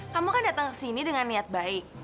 kamu kan datang kesini dengan niat baik